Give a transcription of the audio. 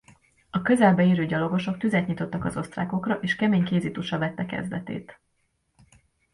A közelbe érő gyalogosok tüzet nyitottak az osztrákokra és kemény kézitusa vette kezdetét.